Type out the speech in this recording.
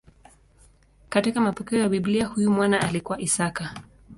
Katika mapokeo ya Biblia huyu mwana alikuwa Isaka.